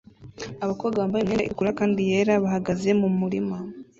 Abakobwa bambaye imyenda itukura kandi yera bahagaze mumurima